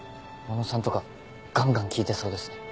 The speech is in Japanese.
小野さんとかガンガン聞いてそうですね